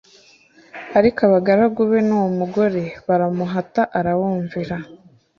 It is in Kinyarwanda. ariko abagaragu be n’uwo mugore baramuhata arabumvira